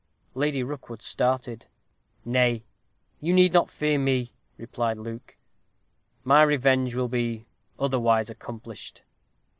Lady Rookwood started. "Nay, you need not fear me," replied Luke; "my revenge will be otherwise accomplished."